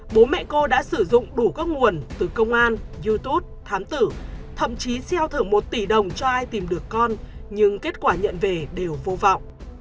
bố mẹ cô đã sử dụng đủ các nguồn từ công an youtube thám tử thậm chí xeo thưởng một tỷ đồng cho ai tìm được con nhưng kết quả nhận về đều vô vọng